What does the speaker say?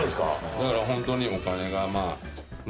だからホントにお金が。